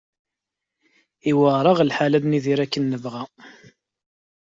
Yuɛer-aɣ lḥal ad nidir akken nebɣa.